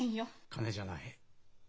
金じゃない。